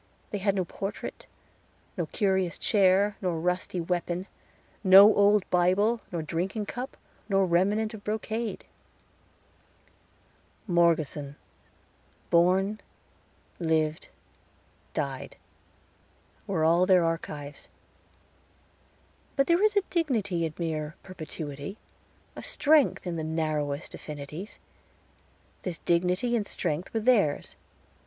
They had no portrait, nor curious chair, nor rusty weapon no old Bible, nor drinking cup, nor remnant of brocade. Morgeson Born Lived Died were all their archives. But there is a dignity in mere perpetuity, a strength in the narrowest affinities. This dignity and strength were theirs.